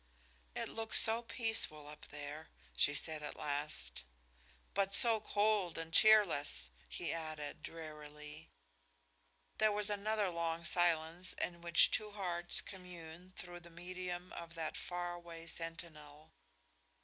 "It looks so peaceful up there," she said at last. "But so cold and cheerless," he added, drearily. There was another long silence in which two hearts communed through the medium of that faraway sentinel.